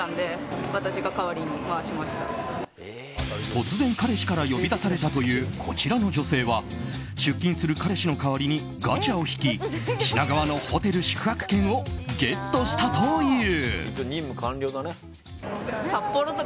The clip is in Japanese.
突然、彼氏から呼び出されたというこちらの女性は出勤する彼氏の代わりにガチャを引き品川のホテル宿泊券をゲットしたという。